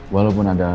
walaupun ada aldebaran